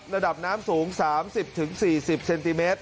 ระดับน้ำสูง๓๐๔๐เซนติเมตร